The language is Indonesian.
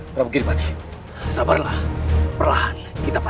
tapi lillian kena sadarlah kita